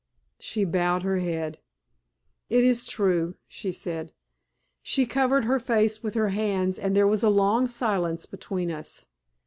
She bowed her head. "It is true," she said. She covered her face with her hands and there was a long silence between us.